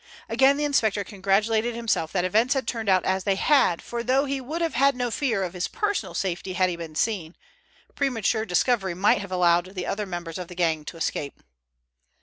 Again the inspector congratulated himself that events had turned out as they had, for though he would have had no fear of his personal safety had he been seen, premature discovery might have allowed the other members of the gang to escape.